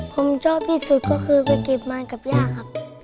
ผมชอบที่สุดก็คือไปเก็บมันกับย่าครับ